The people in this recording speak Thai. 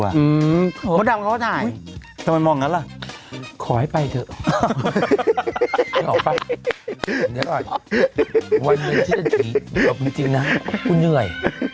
หมดดำเราตายทำไมมองงั้นล่ะขอให้ไปเถอะวันหนึ่งที่จะถีกกับคุณจริงนะคุณเหนื่อย